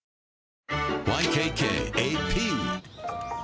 ＹＫＫＡＰ